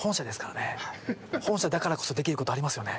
本社だからこそできることありますよね？